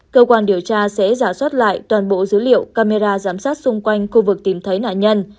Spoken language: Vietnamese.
cơ quan điều tra sẽ giả soát lại toàn bộ dữ liệu camera giám sát xung quanh khu vực tìm thấy nạn nhân